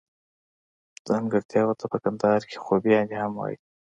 ځانګړتياوو ته په کندهار کښي خوباياني هم وايي.